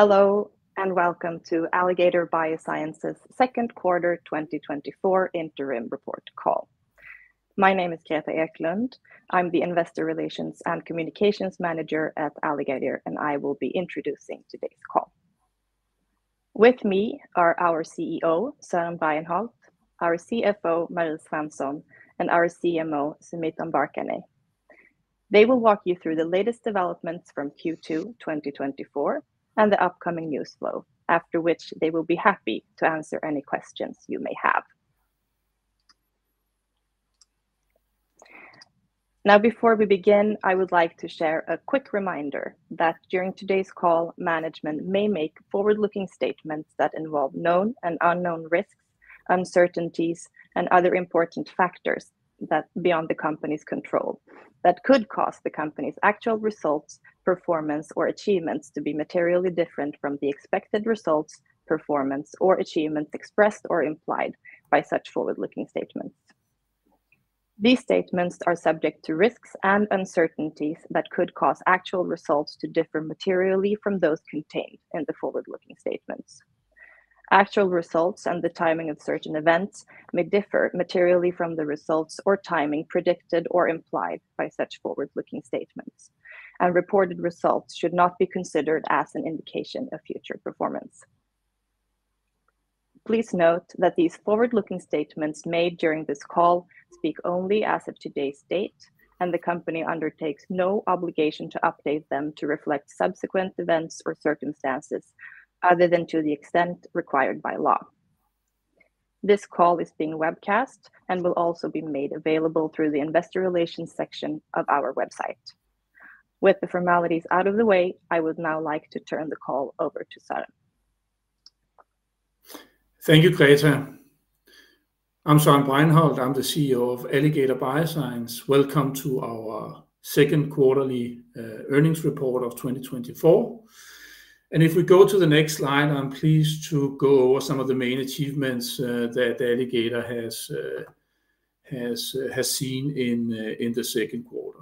Hello, and welcome to Alligator Bioscience's second quarter 2024 interim report call. My name is Greta Eklund. I'm the Investor Relations and Communications Manager at Alligator, and I will be introducing today's call. With me are our CEO, Søren Bregenholt, our CFO, Marie Svensson, and our CMO, Sumeet Ambarkhane. They will walk you through the latest developments from Q2 2024, and the upcoming news flow, after which they will be happy to answer any questions you may have. Now, before we begin, I would like to share a quick reminder that during today's call, management may make forward-looking statements that involve known and unknown risks, uncertainties, and other important factors that beyond the company's control, that could cause the company's actual results, performance, or achievements to be materially different from the expected results, performance, or achievements expressed or implied by such forward-looking statements. These statements are subject to risks and uncertainties that could cause actual results to differ materially from those contained in the forward-looking statements. Actual results and the timing of certain events may differ materially from the results or timing predicted or implied by such forward-looking statements, and reported results should not be considered as an indication of future performance. Please note that these forward-looking statements made during this call speak only as of today's date, and the company undertakes no obligation to update them to reflect subsequent events or circumstances other than to the extent required by law. This call is being webcast and will also be made available through the investor relations section of our website. With the formalities out of the way, I would now like to turn the call over to Søren. Thank you, Greta. I'm Søren Bregenholt, I'm the CEO of Alligator Bioscience. Welcome to our second quarter earnings report of 2024. And if we go to the next slide, I'm pleased to go over some of the main achievements that Alligator has seen in the second quarter.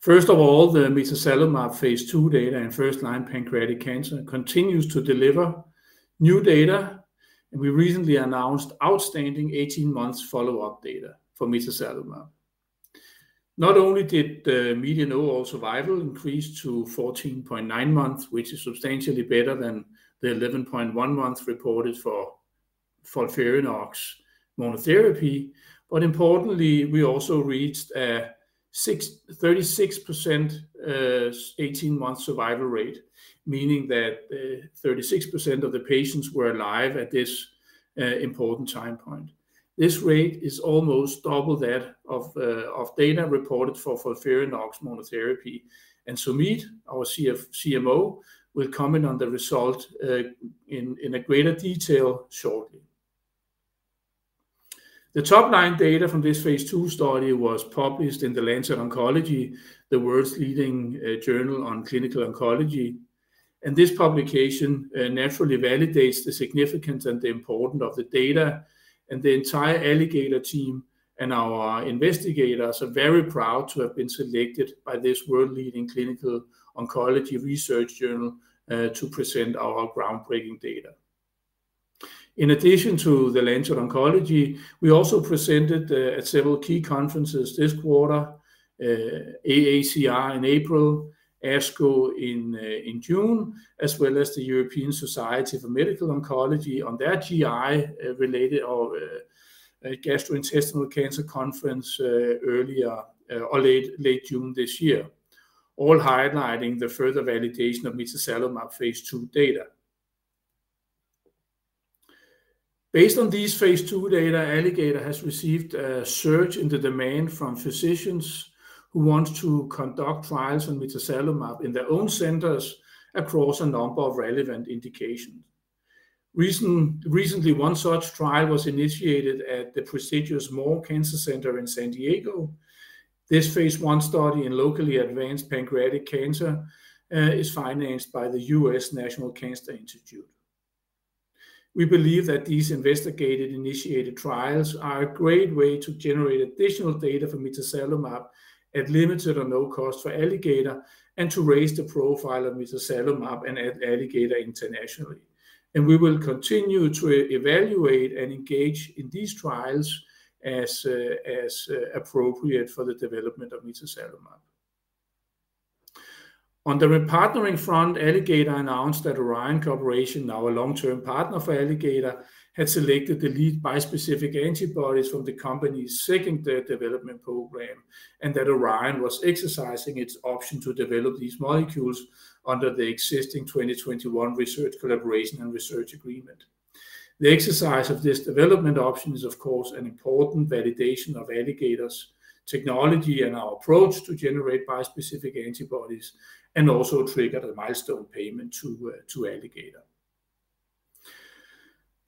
First of all, the mitazalimab phase II data in first-line pancreatic cancer continues to deliver new data, and we recently announced outstanding 18 months follow-up data for mitazalimab. Not only did the median overall survival increase to 14.9 months, which is substantially better than the 11.1 months reported for FOLFIRINOX monotherapy, but importantly, we also reached 36% 18-month survival rate, meaning that 36% of the patients were alive at this important time point. This rate is almost double that of, of data reported for FOLFIRINOX monotherapy. Sumeet, our CMO, will comment on the result in greater detail shortly. The top-line data from this phase II study was published in the Lancet Oncology, the world's leading journal on clinical oncology. This publication naturally validates the significance and the importance of the data, and the entire Alligator team and our investigators are very proud to have been selected by this world-leading clinical oncology research journal to present our groundbreaking data. In addition to the Lancet Oncology, we also presented at several key conferences this quarter, AACR in April, ASCO in June, as well as the European Society for Medical Oncology on their GI-related or gastrointestinal cancer conference, earlier or late June this year, all highlighting the further validation of mitazalimab phase II data. Based on these phase II data, Alligator has received a surge in the demand from physicians who want to conduct trials on mitazalimab in their own centers across a number of relevant indications. Recently, one such trial was initiated at the prestigious Moores Cancer Center in San Diego. This phase I study in locally advanced pancreatic cancer is financed by the US National Cancer Institute. We believe that these investigator-initiated trials are a great way to generate additional data for mitazalimab at limited or no cost for Alligator, and to raise the profile of mitazalimab and Alligator internationally. We will continue to evaluate and engage in these trials as appropriate for the development of mitazalimab. On the partnering front, Alligator announced that Orion Corporation, now a long-term partner for Alligator, had selected the lead bispecific antibodies from the company's second-tier development program, and that Orion was exercising its option to develop these molecules under the existing 2021 research collaboration and research agreement. The exercise of this development option is, of course, an important validation of Alligator's technology and our approach to generate bispecific antibodies, and also triggered a milestone payment to Alligator.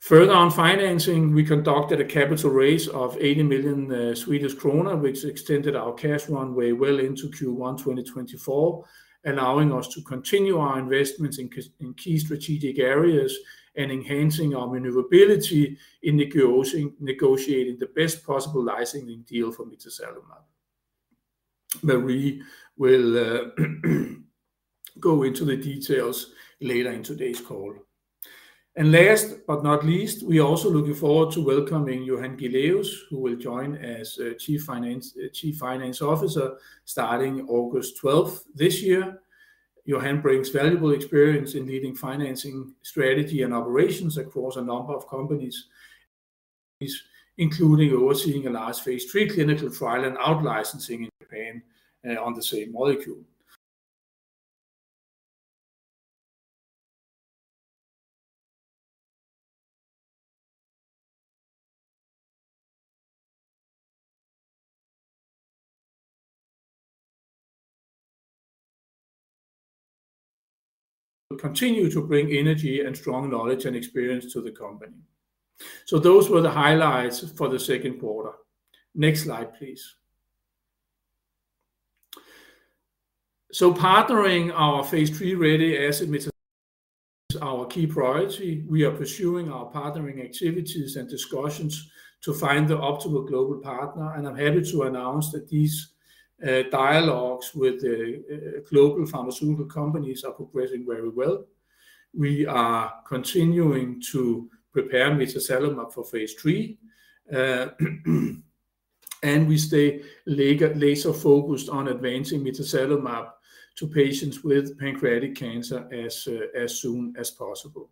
Further on financing, we conducted a capital raise of 80 million Swedish krona, which extended our cash runway well into Q1 2024, allowing us to continue our investments in key strategic areas and enhancing our maneuverability in negotiating the best possible licensing deal for mitazalimab, but we will go into the details later in today's call. Last but not least, we are also looking forward to welcoming Johan Giléus, who will join as Chief Financial Officer starting August 12 this year. Johan brings valuable experience in leading financing, strategy, and operations across a number of companies, including overseeing a large phase III clinical trial and out-licensing in Japan on the same molecule. He will continue to bring energy and strong knowledge and experience to the company. So those were the highlights for the second quarter. Next slide, please. So partnering our phase III-ready asset, mitazalimab, is our key priority. We are pursuing our partnering activities and discussions to find the optimal global partner, and I'm happy to announce that these dialogues with the global pharmaceutical companies are progressing very well. We are continuing to prepare mitazalimab for phase III. We stay laser, laser-focused on advancing mitazalimab to patients with pancreatic cancer as soon as possible.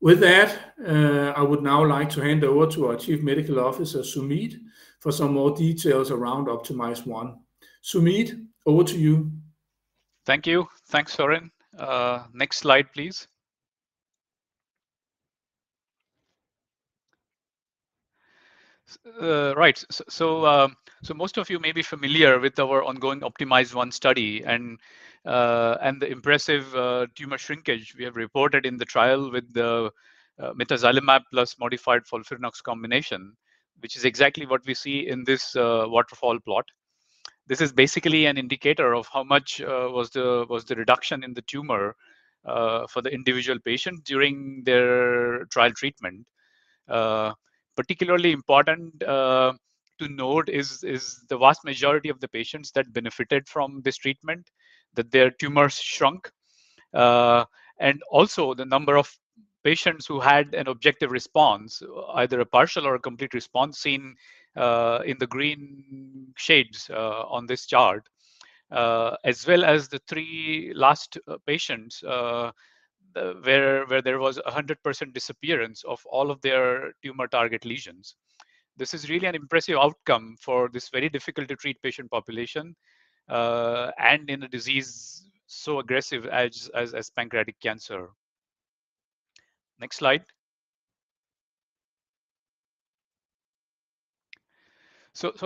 With that, I would now like to hand over to our Chief Medical Officer, Sumeet, for some more details around OPTIMIZE-1. Sumeet, over to you. Thank you. Thanks, Søren. Next slide, please. Right. So, most of you may be familiar with our ongoing OPTIMIZE-1 study and the impressive tumor shrinkage we have reported in the trial with the mitazalimab plus modified FOLFIRINOX combination, which is exactly what we see in this waterfall plot. This is basically an indicator of how much was the reduction in the tumor for the individual patient during their trial treatment. Particularly important to note is the vast majority of the patients that benefited from this treatment, that their tumors shrunk. And also the number of patients who had an objective response, either a partial or a complete response, seen in the green shades on this chart. As well as the three last patients where there was 100% disappearance of all of their tumor target lesions. This is really an impressive outcome for this very difficult-to-treat patient population and in a disease so aggressive as pancreatic cancer. Next slide.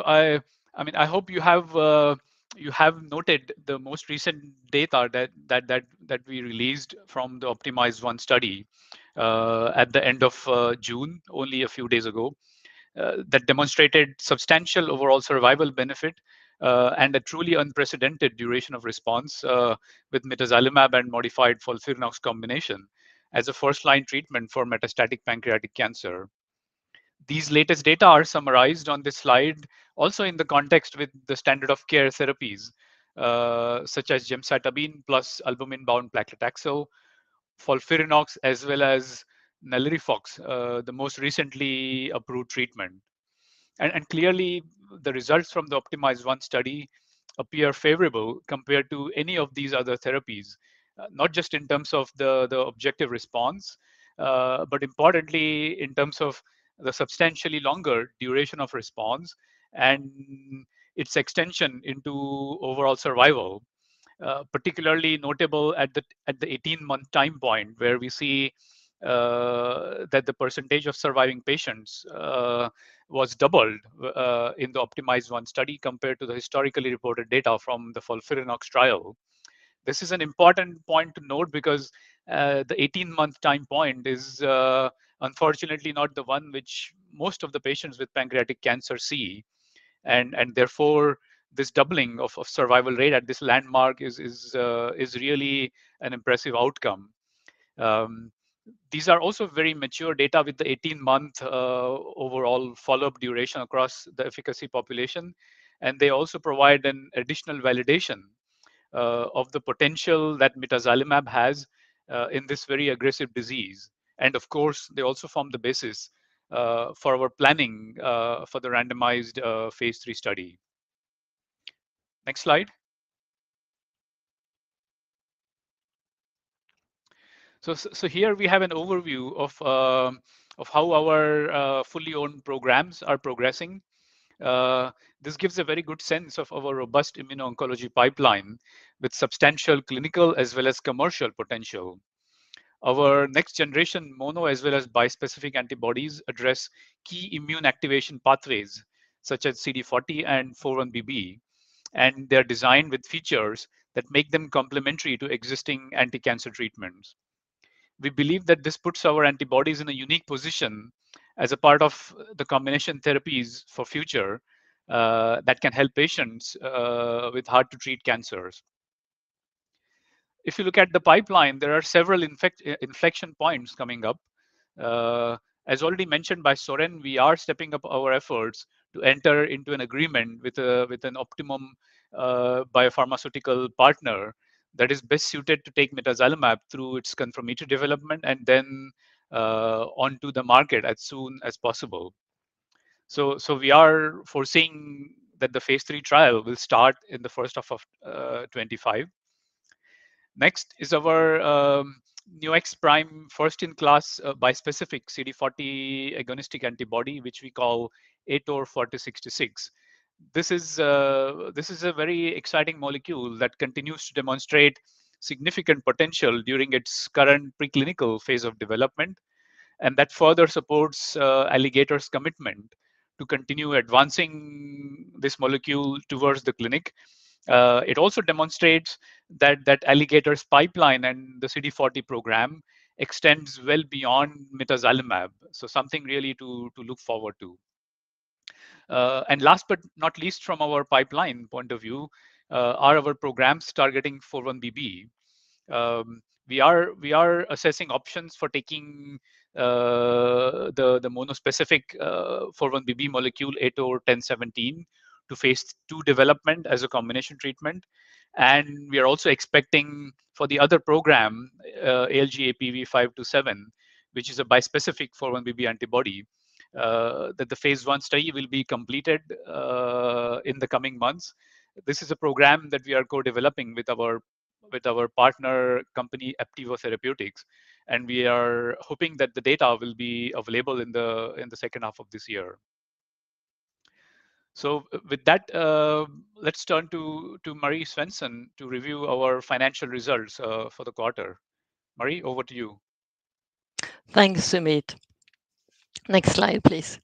I mean, I hope you have noted the most recent data that we released from the OPTIMIZE-1 study at the end of June, only a few days ago, that demonstrated substantial overall survival benefit and a truly unprecedented duration of response with mitazalimab and modified FOLFIRINOX combination as a first-line treatment for metastatic pancreatic cancer. These latest data are summarized on this slide, also in the context with the standard of care therapies, such as gemcitabine plus albumin-bound paclitaxel, FOLFIRINOX, as well as NALIRIFOX, the most recently approved treatment. And clearly, the results from the OPTIMIZE-1 study appear favorable compared to any of these other therapies, not just in terms of the objective response, but importantly, in terms of the substantially longer duration of response and its extension into overall survival. Particularly notable at the 18-month time point, where we see that the percentage of surviving patients was doubled in the OPTIMIZE-1 study compared to the historically reported data from the FOLFIRINOX trial. This is an important point to note because, the 18-month time point is, unfortunately not the one which most of the patients with pancreatic cancer see, and, therefore, this doubling of, survival rate at this landmark is, really an impressive outcome. These are also very mature data with the 18-month overall follow-up duration across the efficacy population, and they also provide an additional validation, of the potential that mitazalimab has, in this very aggressive disease. And of course, they also form the basis, for our planning, for the randomized, phase III study. Next slide. So, here we have an overview of, how our, fully owned programs are progressing. This gives a very good sense of our robust immuno-oncology pipeline, with substantial clinical as well as commercial potential. Our next generation mono, as well as bispecific antibodies, address key immune activation pathways, such as CD40 and 4-1BB, and they are designed with features that make them complementary to existing anti-cancer treatments. We believe that this puts our antibodies in a unique position as a part of the combination therapies for future that can help patients with hard-to-treat cancers. If you look at the pipeline, there are several inflection points coming up. As already mentioned by Søren, we are stepping up our efforts to enter into an agreement with an optimum biopharmaceutical partner that is best suited to take mitazalimab through its confirmatory development, and then onto the market as soon as possible. So we are foreseeing that the phase III trial will start in the first half of 2025. Next is our new Neo-X-Prime, first-in-class bispecific CD40 agonistic antibody, which we call ATOR-4066. This is a very exciting molecule that continues to demonstrate significant potential during its current preclinical phase of development, and that further supports Alligator's commitment to continue advancing this molecule towards the clinic. It also demonstrates that Alligator's pipeline and the CD40 program extends well beyond mitazalimab, so something really to look forward to. And last but not least from our pipeline point of view are our programs targeting 4-1BB. We are assessing options for taking the monospecific 4-1BB molecule, ATOR-1017, to phase II development as a combination treatment. We are also expecting for the other program, ALG.APV-527, which is a bispecific 4-1BB antibody, that the phase I study will be completed in the coming months. This is a program that we are co-developing with our partner company, Aptevo Therapeutics, and we are hoping that the data will be available in the second half of this year. With that, let's turn to Marie Svensson to review our financial results for the quarter. Marie, over to you. Thanks, Sumeet. Next slide, please.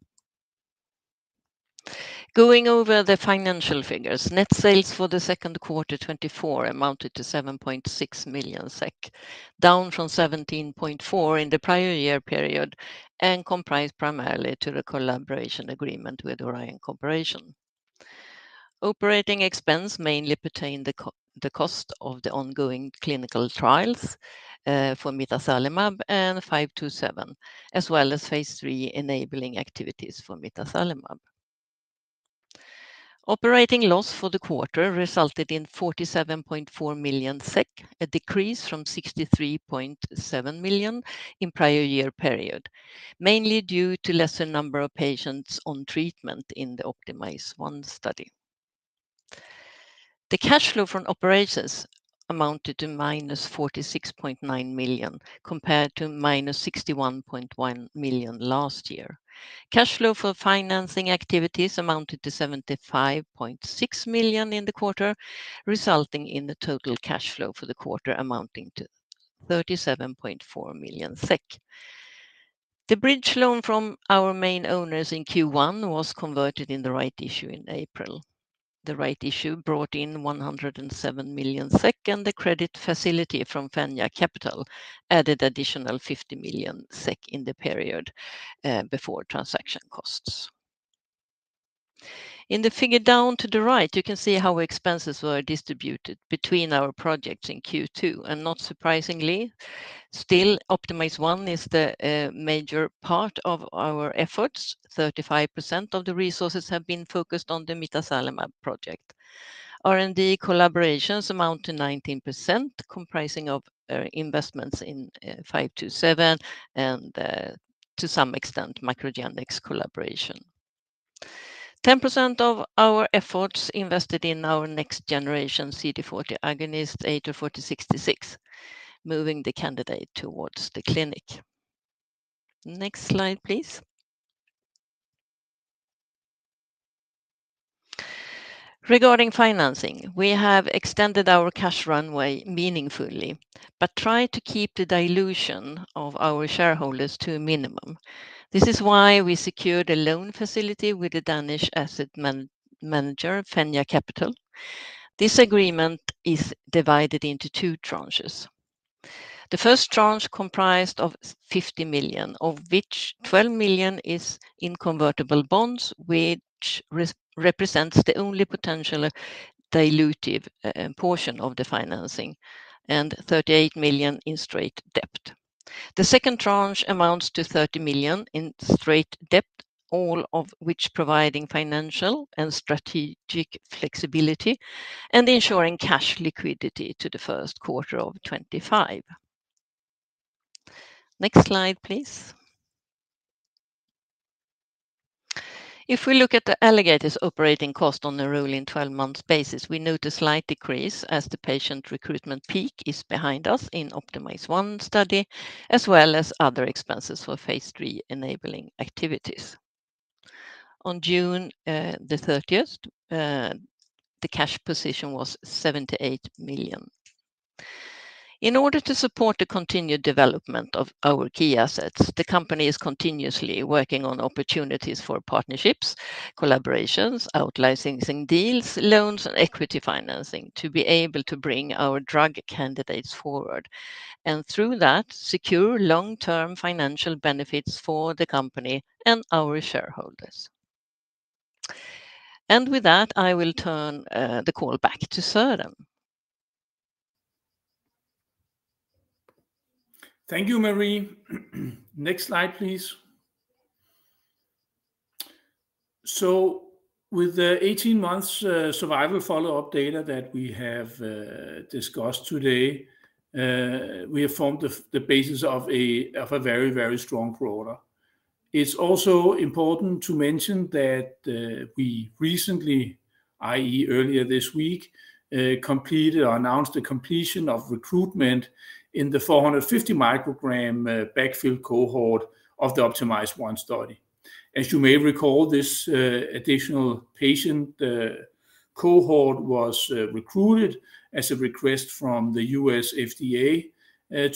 Going over the financial figures, net sales for the second quarter 2024 amounted to 7.6 million SEK, down from 17.4 million in the prior year period, and comprised primarily to the collaboration agreement with Orion Corporation. Operating expense mainly pertained the cost of the ongoing clinical trials for mitazalimab and 527, as well as phase III enabling activities for mitazalimab. Operating loss for the quarter resulted in 47.4 million SEK, a decrease from 63.7 million in prior year period, mainly due to lesser number of patients on treatment in the OPTIMIZE-1 study. The cash flow from operations amounted to -46.9 million, compared to -61.1 million last year. Cash flow for financing activities amounted to 75.6 million in the quarter, resulting in the total cash flow for the quarter amounting to 37.4 million SEK. The bridge loan from our main owners in Q1 was converted in the rights issue in April. The rights issue brought in 107 million SEK, and the credit facility from Fenja Capital added additional 50 million SEK in the period before transaction costs. In the figure down to the right, you can see how expenses were distributed between our projects in Q2, and not surprisingly, still, OPTIMIZE-1 is the major part of our efforts. 35% of the resources have been focused on the mitazalimab project. R&D collaborations amount to 19%, comprising of investments in 527, and to some extent, MacroGenics collaboration. 10% of our efforts invested in our next generation CD40 agonist, ATOR-4066, moving the candidate towards the clinic. Next slide, please. Regarding financing, we have extended our cash runway meaningfully, but try to keep the dilution of our shareholders to a minimum. This is why we secured a loan facility with a Danish asset manager, Fenja Capital. This agreement is divided into two tranches. The first tranche comprised of 50 million, of which 12 million is in convertible bonds, which represents the only potential dilutive portion of the financing, and 38 million in straight debt. The second tranche amounts to 30 million in straight debt, all of which providing financial and strategic flexibility and ensuring cash liquidity to the first quarter of 2025. Next slide, please. If we look at Alligator's operating cost on a rolling twelve-month basis, we note a slight decrease as the patient recruitment peak is behind us in OPTIMIZE-1 study, as well as other expenses for phase III enabling activities. On June thirtieth, the cash position was 78 million. In order to support the continued development of our key assets, the company is continuously working on opportunities for partnerships, collaborations, out-licensing deals, loans, and equity financing to be able to bring our drug candidates forward, and through that, secure long-term financial benefits for the company and our shareholders.... And with that, I will turn the call back to Søren. Thank you, Marie. Next slide, please. So with the 18 months survival follow-up data that we have discussed today, we have formed the basis of a very, very strong product. It's also important to mention that we recently, i.e., earlier this week, completed or announced the completion of recruitment in the 450 microgram backfill cohort of the OPTIMIZE-1 study. As you may recall, this additional patient cohort was recruited as a request from the US FDA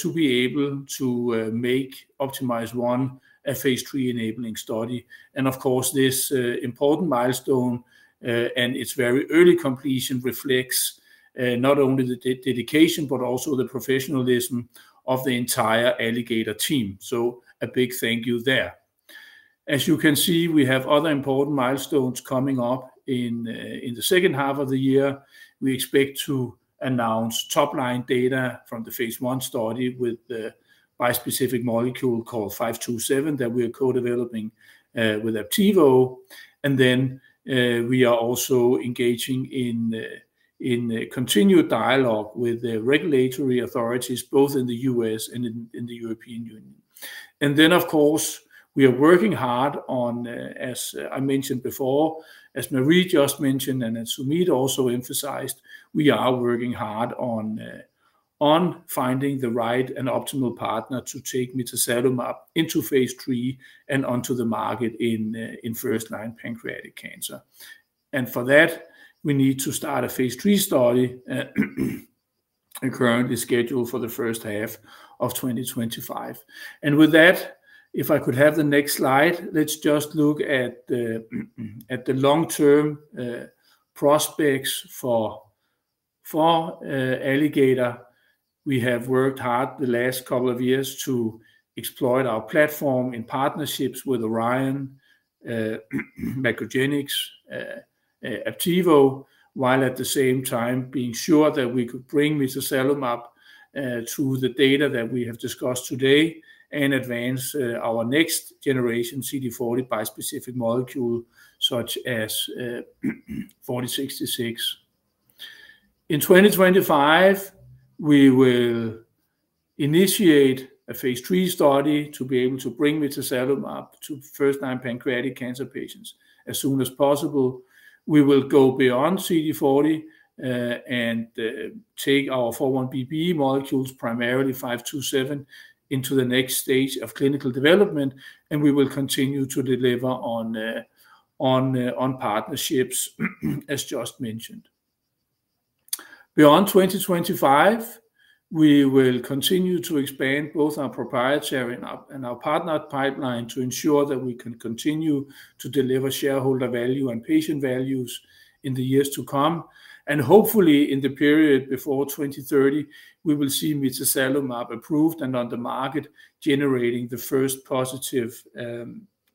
to be able to make OPTIMIZE-1 a phase III enabling study. And of course, this important milestone and its very early completion reflects not only the dedication, but also the professionalism of the entire Alligator team. So a big thank you there. As you can see, we have other important milestones coming up in the second half of the year. We expect to announce top-line data from the phase I study with the bispecific molecule called ALG.APV-527, that we are co-developing with Aptevo. We are also engaging in a continued dialogue with the regulatory authorities, both in the U.S. and in the European Union. Of course, we are working hard on, as I mentioned before, as Marie just mentioned, and as Sumeet also emphasized, we are working hard on finding the right and optimal partner to take mitazalimab into phase III and onto the market in first-line pancreatic cancer. For that, we need to start a phase III study, and currently scheduled for the first half of 2025. And with that, if I could have the next slide, let's just look at the long-term prospects for Alligator. We have worked hard the last couple of years to exploit our platform in partnerships with Orion, MacroGenics, Aptevo, while at the same time being sure that we could bring mitazalimab to the data that we have discussed today, and advance our next generation CD40 bispecific molecule, such as ATOR-4066. In 2025, we will initiate a phase III study to be able to bring mitazalimab to first-line pancreatic cancer patients as soon as possible. We will go beyond CD40 and take our 4-1BB molecules, primarily ALG. APV-527, into the next stage of clinical development, and we will continue to deliver on partnerships, as just mentioned. Beyond 2025, we will continue to expand both our proprietary and our partnered pipeline to ensure that we can continue to deliver shareholder value and patient values in the years to come. Hopefully, in the period before 2030, we will see mitazalimab approved and on the market, generating the first positive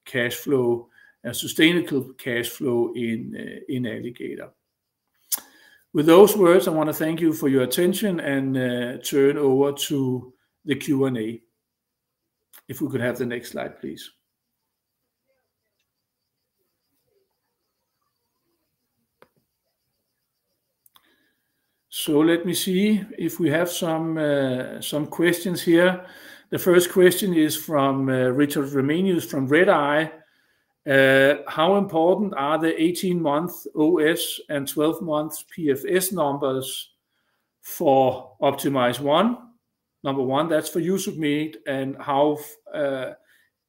cash flow, and sustainable cash flow in Alligator. With those words, I want to thank you for your attention and turn over to the Q&A. If we could have the next slide, please. So let me see if we have some questions here. The first question is from Richard Ramanius from Redeye. "How important are the 18-month OS and 12-month PFS numbers for OPTIMIZE-1?" Number one, that's for you, Sumeet, and how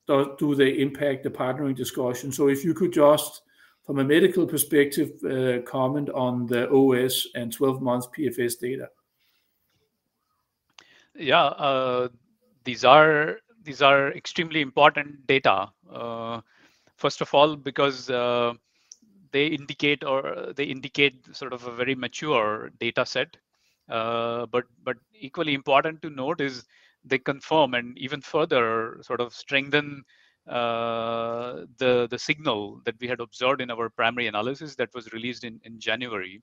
do they impact the partnering discussion? So if you could just, from a medical perspective, comment on the OS and 12-month PFS data. Yeah. These are extremely important data. First of all, because they indicate sort of a very mature dataset. But equally important to note is they confirm and even further sort of strengthen the signal that we had observed in our primary analysis that was released in January.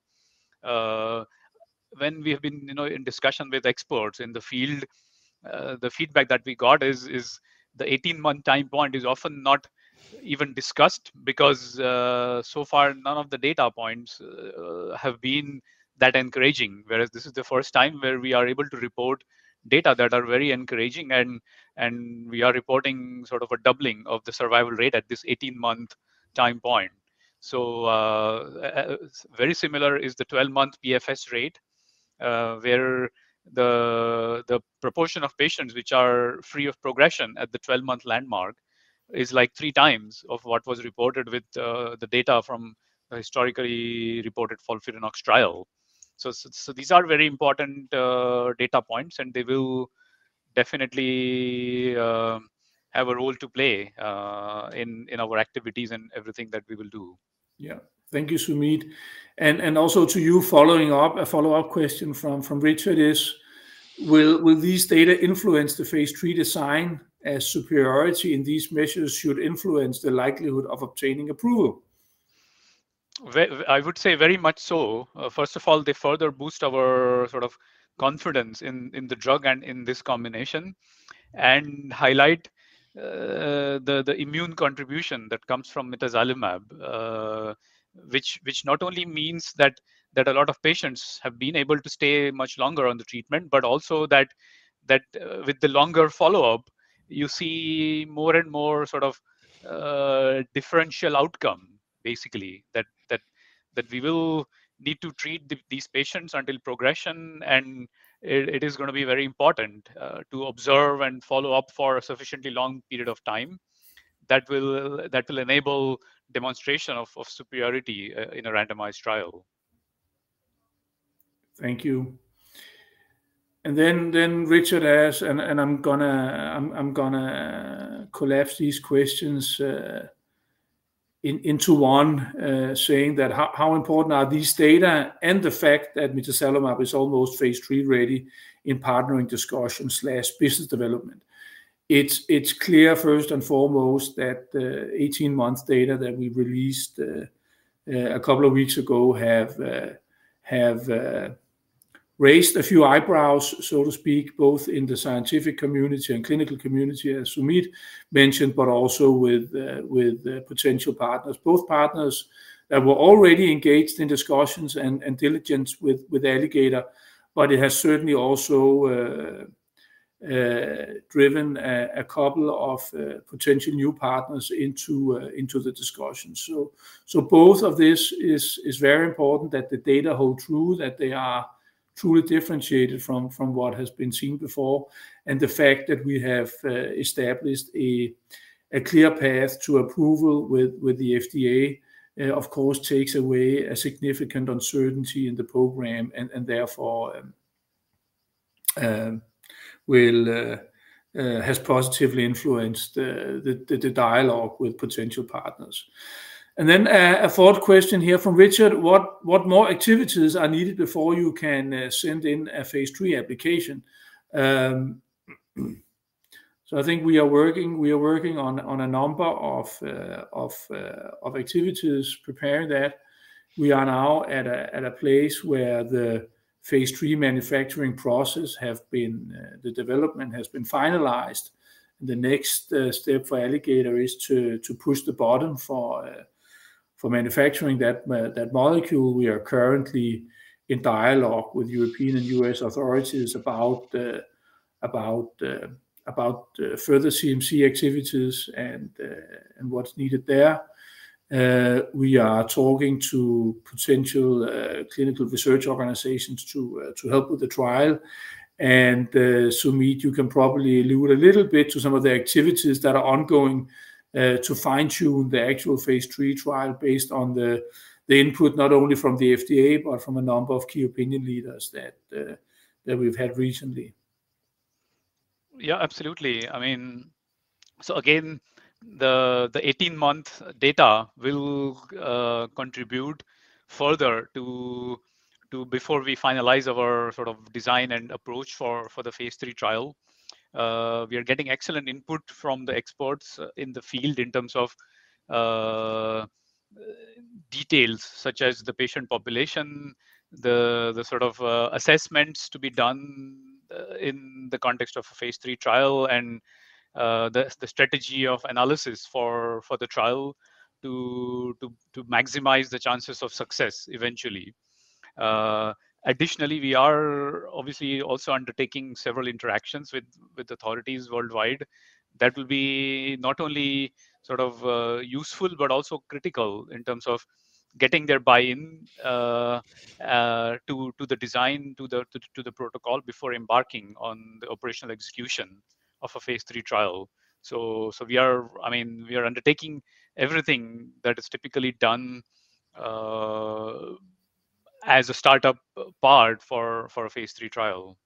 When we have been, you know, in discussion with experts in the field, the feedback that we got is the 18-month time point is often not even discussed because so far none of the data points have been that encouraging. Whereas this is the first time where we are able to report data that are very encouraging, and we are reporting sort of a doubling of the survival rate at this 18-month time point. So, very similar is the 12-month PFS rate, where the proportion of patients which are free of progression at the 12-month landmark is like 3 times of what was reported with the data from the historically reported FOLFIRINOX trial. So, these are very important data points, and they will definitely have a role to play in our activities and everything that we will do. Yeah. Thank you, Sumeet. And also to you, following up, a follow-up question from Richard is: "Will these data influence the phase three design as superiority in these measures should influence the likelihood of obtaining approval?"... I would say very much so. First of all, they further boost our sort of confidence in the drug and in this combination, and highlight the immune contribution that comes from mitazalimab. Which not only means that a lot of patients have been able to stay much longer on the treatment, but also that with the longer follow-up, you see more and more sort of differential outcome, basically. That we will need to treat these patients until progression, and it is gonna be very important to observe and follow up for a sufficiently long period of time. That will enable demonstration of superiority in a randomized trial. Thank you. Then Richard asks, and I'm gonna collapse these questions into one. Saying that, "How important are these data and the fact that mitazalimab is almost phase three-ready in partnering discussions/business development?" It's clear, first and foremost, that the 18-month data that we released a couple of weeks ago have raised a few eyebrows, so to speak, both in the scientific community and clinical community, as Sumeet mentioned, but also with potential partners. Both partners that were already engaged in discussions and diligence with Alligator, but it has certainly also driven a couple of potential new partners into the discussion. So both of this is very important that the data hold true, that they are truly differentiated from what has been seen before, and the fact that we have established a clear path to approval with the FDA of course takes away a significant uncertainty in the program, and therefore has positively influenced the dialogue with potential partners. And then a fourth question here from Richard: "What more activities are needed before you can send in a phase III application?" So I think we are working on a number of activities preparing that. We are now at a place where the phase III manufacturing process have been the development has been finalized. The next step for Alligator is to push the button for manufacturing that molecule. We are currently in dialogue with European and US authorities about further CMC activities and what's needed there. We are talking to potential clinical research organizations to help with the trial. And Sumeet, you can probably allude a little bit to some of the activities that are ongoing to fine-tune the actual phase three trial, based on the input, not only from the FDA, but from a number of key opinion leaders that we've had recently. Yeah, absolutely. I mean, so again, the 18-month data will contribute further to before we finalize our sort of design and approach for the phase III trial. We are getting excellent input from the experts in the field in terms of details, such as the patient population, the sort of assessments to be done in the context of a phase III trial, and the strategy of analysis for the trial to maximize the chances of success eventually. Additionally, we are obviously also undertaking several interactions with authorities worldwide that will be not only sort of useful, but also critical in terms of getting their buy-in to the design, to the protocol, before embarking on the operational execution of a phase III trial. So, we are... I mean, we are undertaking everything that is typically done, as a startup part for a phase three trial.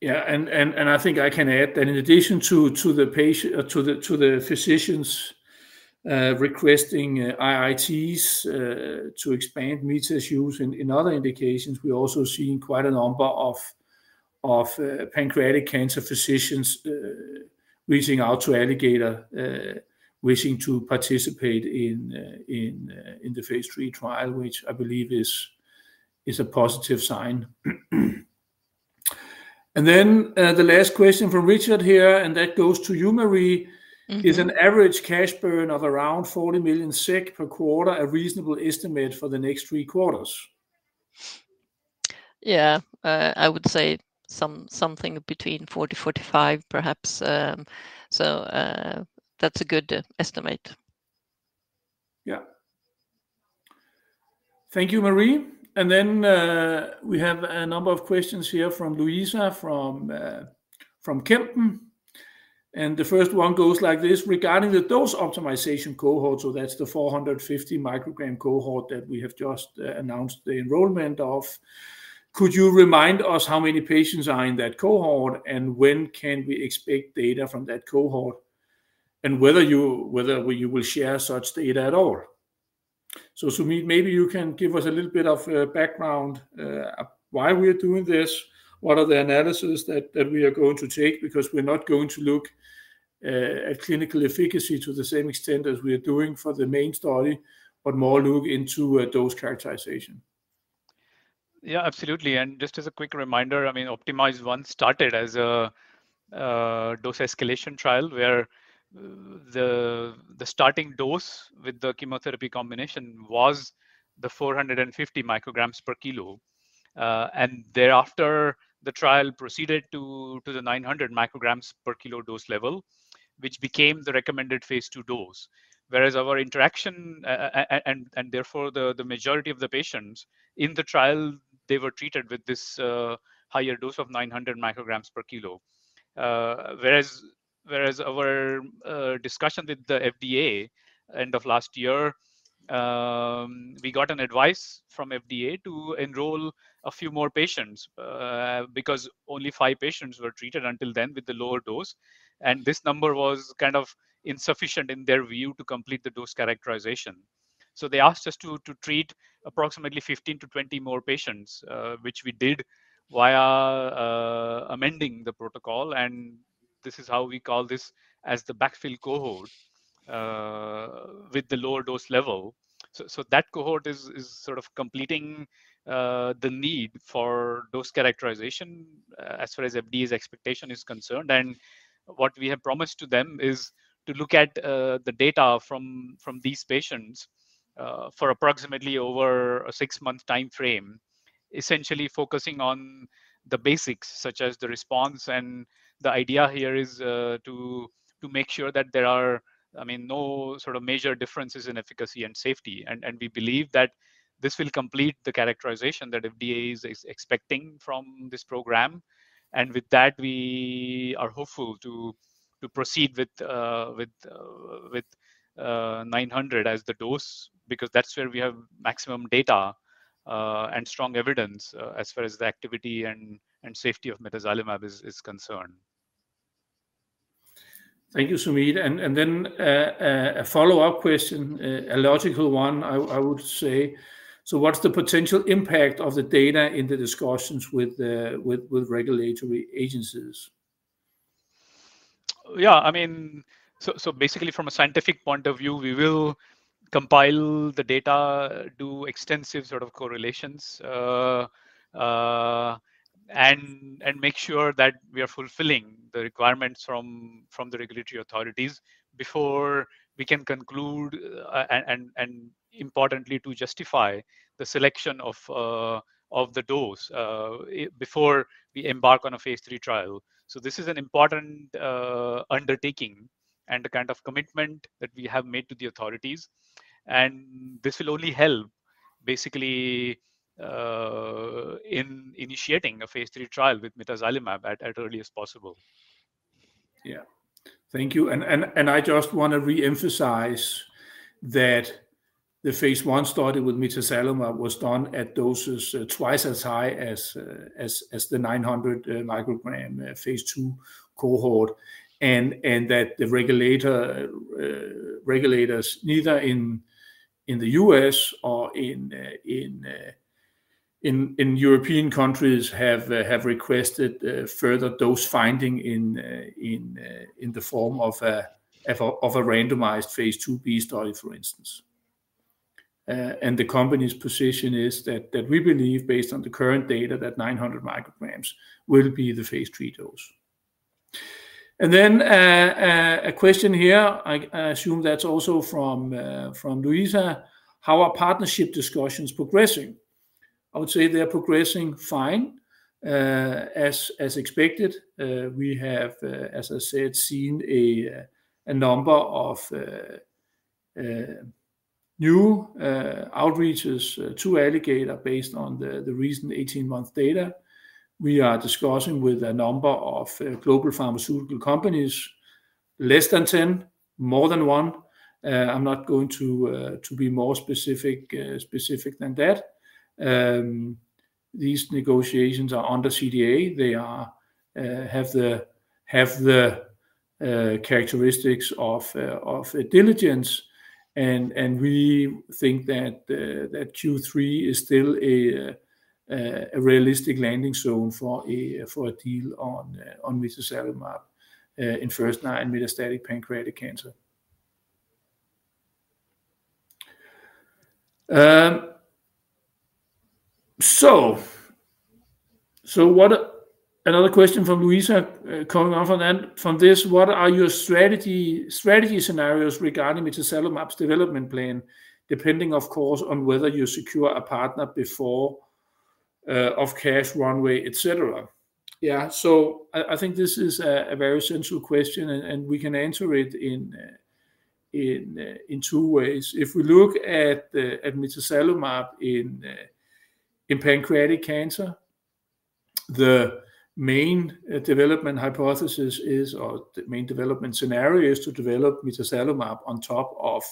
Yeah, and I think I can add that in addition to the physicians requesting IITs to expand mitazalimab's use in other indications, we're also seeing quite a number of pancreatic cancer physicians reaching out to Alligator, wishing to participate in the phase three trial, which I believe is a positive sign. And then, the last question from Richard here, and that goes to you, Marie. Mm-hmm. "Is an average cash burn of around DKK 40 million per quarter a reasonable estimate for the next three quarters?" Yeah. I would say something between 40-45, perhaps. So, that's a good estimate. Yeah. Thank you, Marie. And then, we have a number of questions here from Louisa, from, from Kempen, and the first one goes like this: "Regarding the dose optimization cohort," so that's the 450 microgram cohort that we have just announced the enrollment of, "could you remind us how many patients are in that cohort, and when can we expect data from that cohort, and whether you, whether you will share such data at all?" So, Sumeet, maybe you can give us a little bit of background, why we are doing this, what are the analysis that we are going to take? Because we're not going to look at clinical efficacy to the same extent as we are doing for the main study, but more look into dose characterization. Yeah, absolutely. And just as a quick reminder, I mean, OPTIMIZE-1 started as a dose escalation trial, where the starting dose with the chemotherapy combination was the 450 micrograms per kilo. And thereafter, the trial proceeded to the 900 micrograms per kilo dose level, which became the recommended Phase II dose. Whereas our interaction and therefore the majority of the patients in the trial, they were treated with this higher dose of 900 micrograms per kilo. Whereas our discussion with the FDA end of last year, we got an advice from FDA to enroll a few more patients, because only five patients were treated until then with the lower dose, and this number was kind of insufficient in their view to complete the dose characterization. So they asked us to treat approximately 15-20 more patients, which we did via amending the protocol, and this is how we call this as the backfill cohort with the lower dose level. So that cohort is sort of completing the need for dose characterization, as far as FDA's expectation is concerned. And what we have promised to them is to look at the data from these patients for approximately over a 6-month timeframe, essentially focusing on the basics such as the response. And the idea here is to make sure that there are, I mean, no sort of major differences in efficacy and safety. And we believe that this will complete the characterization that FDA is expecting from this program. And with that, we are hopeful to proceed with 900 as the dose, because that's where we have maximum data, and strong evidence, as far as the activity and safety of mitazalimab is concerned. Thank you, Sumeet. And then, a follow-up question, a logical one, I would say: "So what's the potential impact of the data in the discussions with the regulatory agencies?" Yeah, I mean, so basically from a scientific point of view, we will compile the data, do extensive sort of correlations, and make sure that we are fulfilling the requirements from the regulatory authorities before we can conclude, and importantly, to justify the selection of the dose before we embark on a phase three trial. So this is an important undertaking and a kind of commitment that we have made to the authorities, and this will only help basically in initiating a phase three trial with mitazalimab as early as possible. Yeah. Thank you. I just want to re-emphasize that the phase I study with mitazalimab was done at doses twice as high as the 900 microgram phase II cohort, and that the regulators, neither in the US or in European countries, have requested further dose finding in the form of a randomized phase IIb study, for instance. The company's position is that we believe, based on the current data, that 900 micrograms will be the phase III dose. Then, a question here, I assume that's also from Louisa: "How are partnership discussions progressing?" I would say they are progressing fine. As expected, we have, as I said, seen a number of new outreaches to Alligator based on the recent 18-month data. We are discussing with a number of global pharmaceutical companies, less than 10, more than 1. I'm not going to be more specific than that. These negotiations are under CDA. They have the characteristics of a diligence, and we think that Q3 is still a realistic landing zone for a deal on mitazalimab in first-line metastatic pancreatic cancer. So what... Another question from Louisa, coming off on then from this: "What are your strategy, strategy scenarios regarding mitazalimab's development plan, depending, of course, on whether you secure a partner before, of cash runway, et cetera?" Yeah, so I think this is a very central question, and we can answer it in two ways. If we look at mitazalimab in pancreatic cancer, the main development hypothesis is, or the main development scenario, is to develop mitazalimab on top of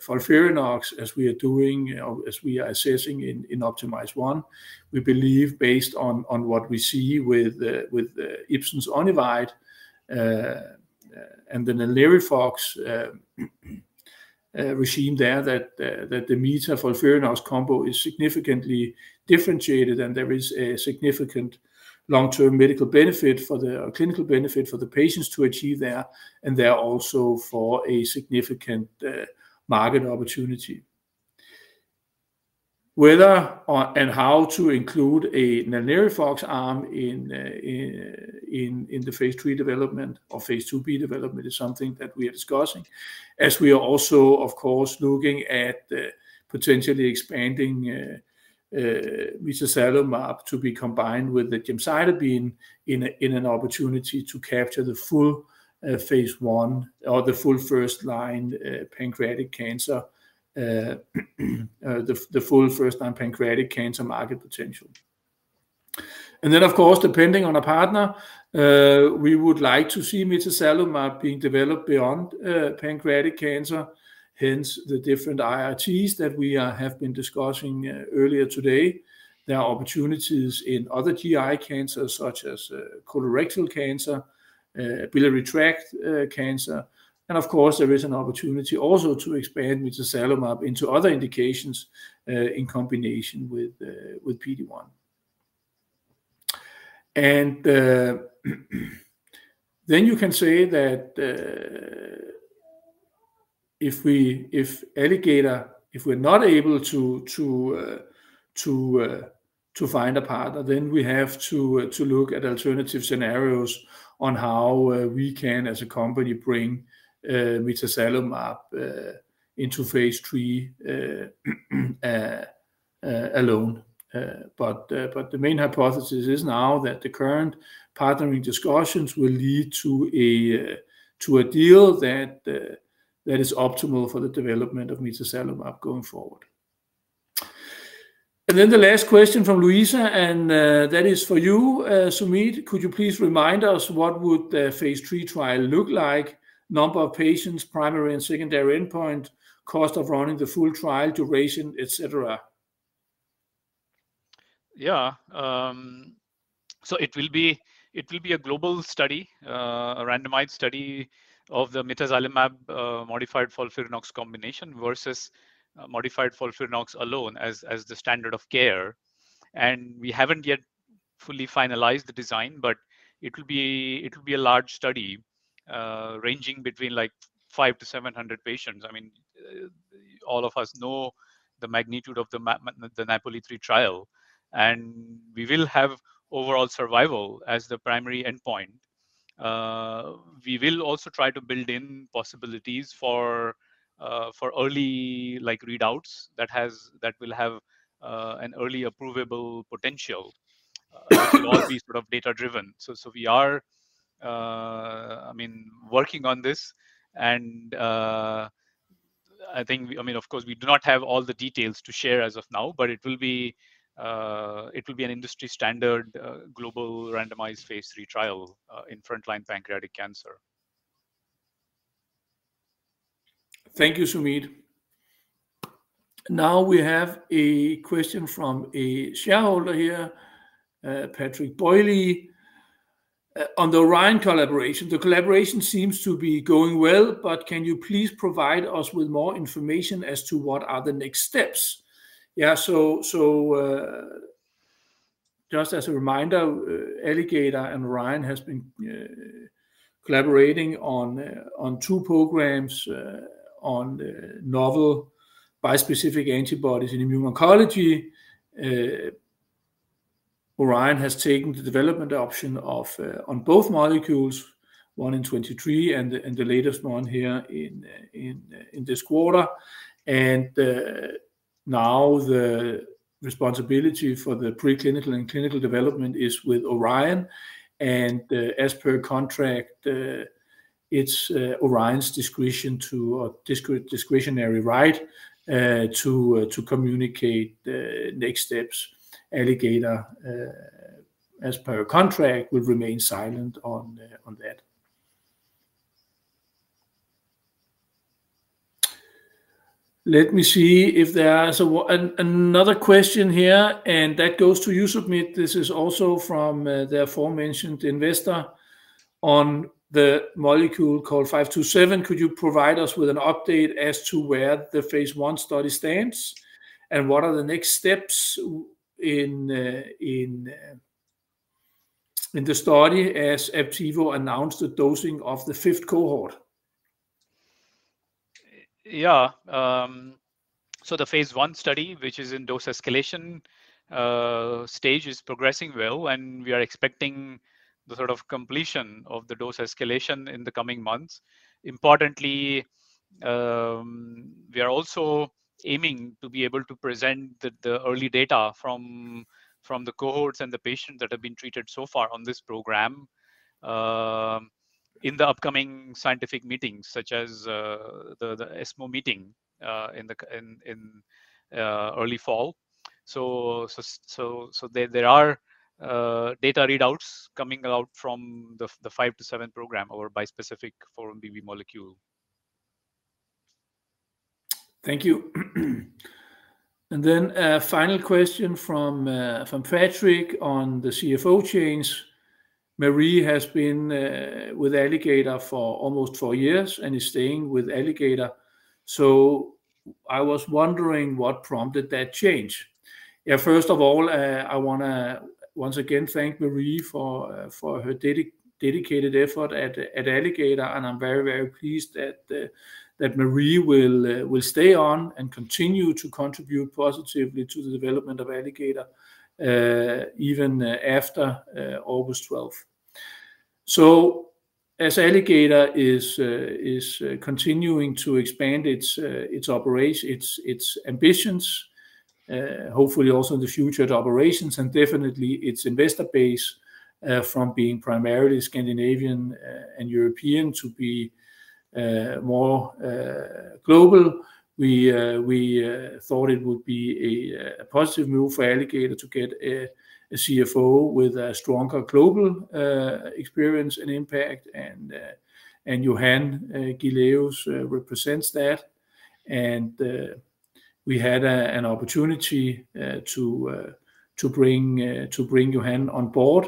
FOLFIRINOX, as we are doing or as we are assessing in OPTIMIZE-1. We believe, based on what we see with Ipsen's ONIVYDE, and then the NALIRIFOX,... regime there that the mFOLFIRINOX combo is significantly differentiated, and there is a significant long-term medical benefit for the, or clinical benefit for the patients to achieve there, and there also for a significant market opportunity. Whether or and how to include a NALIRIFOX arm in the phase III development or phase IIb development is something that we are discussing, as we are also, of course, looking at potentially expanding mitazalimab to be combined with the gemcitabine in an opportunity to capture the full phase I or the full first-line pancreatic cancer, the full first-line pancreatic cancer market potential. Then, of course, depending on a partner, we would like to see mitazalimab being developed beyond pancreatic cancer, hence the different IITs that we are, have been discussing earlier today. There are opportunities in other GI cancers such as colorectal cancer, biliary tract cancer, and of course, there is an opportunity also to expand mitazalimab into other indications in combination with PD-1. Then you can say that if we, if Alligator, if we're not able to find a partner, then we have to look at alternative scenarios on how we can, as a company, bring mitazalimab into phase III alone. But, but the main hypothesis is now that the current partnering discussions will lead to a, to a deal that, that is optimal for the development of mitazalimab going forward. And then the last question from Louisa, and, that is for you, Sumeet: "Could you please remind us what would the phase III trial look like, number of patients, primary and secondary endpoint, cost of running the full trial, duration, et cetera?" Yeah, so it will be a global study, a randomized study of the mitazalimab, modified FOLFIRINOX combination versus, modified FOLFIRINOX alone as the standard of care. And we haven't yet fully finalized the design, but it will be a large study, ranging between, like, 500-700 patients. I mean, all of us know the magnitude of the NAPOLI-3 trial, and we will have overall survival as the primary endpoint. We will also try to build in possibilities for early, like, readouts that will have an early approvable potential. It will all be sort of data-driven. So we are, I mean, working on this, and I think... I mean, of course, we do not have all the details to share as of now, but it will be, it will be an industry-standard, global randomized phase III trial, in frontline pancreatic cancer. Thank you, Sumeet. Now we have a question from a shareholder here, Patrick Boily. "On the Orion collaboration, the collaboration seems to be going well, but can you please provide us with more information as to what are the next steps?" Yeah, so, so, just as a reminder, Alligator and Orion has been collaborating on, on two programs, on novel bispecific antibodies in immuno-oncology. Orion has taken the development option of, on both molecules, one in 2023 and the, and the latest one here in this quarter. And, now the responsibility for the preclinical and clinical development is with Orion, and, as per contract, it's, Orion's discretion to, or discretionary right, to, to communicate the next steps. Alligator, as per contract, will remain silent on, on that. Let me see if there are. So another question here, and that goes to you, Sumeet. This is also from the aforementioned investor. "On the molecule called ALG.APV-527, could you provide us with an update as to where the phase I study stands, and what are the next steps within the study, as Aptevo announced the dosing of the fifth cohort?" Yeah, so the phase I study, which is in dose escalation stage, is progressing well, and we are expecting the sort of completion of the dose escalation in the coming months. Importantly, we are also aiming to be able to present the early data from the cohorts and the patients that have been treated so far on this program, in the upcoming scientific meetings, such as the ESMO meeting, in early fall. So, there are data readouts coming out from the 5T4 program, our bispecific 4-1BB molecule. Thank you.... And then a final question from from Patrick on the CFO change. "Marie has been with Alligator for almost four years and is staying with Alligator. So I was wondering what prompted that change?" Yeah, first of all, I wanna once again thank Marie for for her dedicated effort at Alligator, and I'm very, very pleased that that Marie will will stay on and continue to contribute positively to the development of Alligator even after August twelfth. So as Alligator is continuing to expand its operation, its ambitions, hopefully also in the future, the operations and definitely its investor base from being primarily Scandinavian and European to be more global. We thought it would be a positive move for Alligator to get a CFO with a stronger global experience and impact. And Johan Giléus represents that. And we had an opportunity to bring Johan on board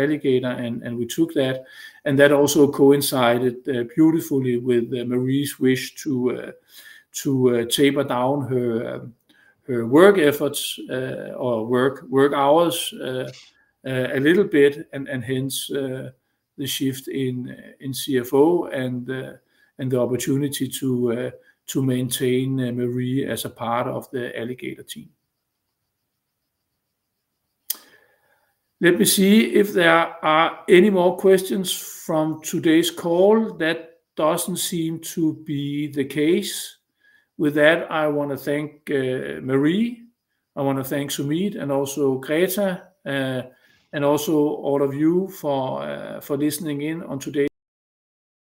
Alligator, and we took that. And that also coincided beautifully with Marie's wish to taper down her work efforts or work hours a little bit, and hence the shift in CFO and the opportunity to maintain Marie as a part of the Alligator team. Let me see if there are any more questions from today's call. That doesn't seem to be the case. With that, I want to thank Marie. I want to thank Sumeet and also Greta, and also all of you for listening in on today-